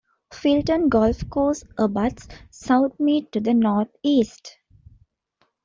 Filton Golf Course abutts Southmead to the North East.